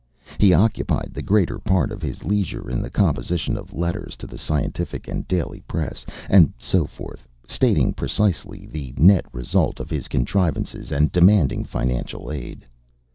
He occupied the greater part of his leisure in the composition of letters to the scientific and daily press, and so forth, stating precisely the net result of his contrivances, and demanding financial aid.